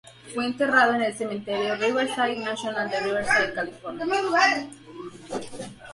Fue enterrado en el Cementerio Riverside National de Riverside, California.